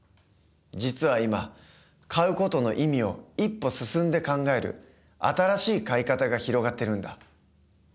実は今買う事の意味を一歩進んで考える新しい買い方が広がってるんだ。